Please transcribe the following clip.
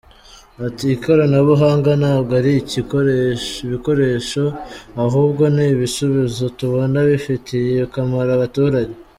Ati” Ikoranabuhanga ntabwo ari ibikoresho, ahubwo ni ibisubizo tubona bifitiye akamaro abaturage.